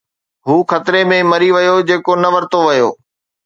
هو خطري ۾ مري ويو جيڪو نه ورتو ويو